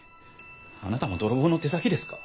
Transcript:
あなたも泥棒の手先ですか？